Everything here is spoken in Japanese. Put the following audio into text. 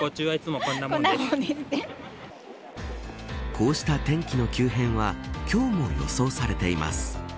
こうした天気の急変は今日も予想されています。